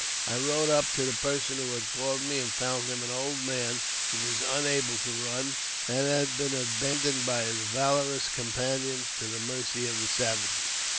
I rode up to the person who had called me, and found him an old man, who was unable to run, and had been abandoned by his valorous companions to the mercy of the savages.